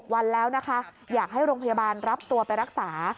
วันแล้วนะคะอยากให้โรงพยาบาลรับตัวไปรักษา